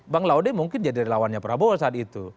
bang laude mungkin jadi lawannya prabowo saat itu